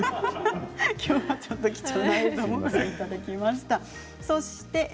きょうは本当に貴重な映像をご覧いただきました。